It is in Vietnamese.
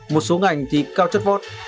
một số ngành thì cao chất vót